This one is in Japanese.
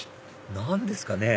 何ですかね？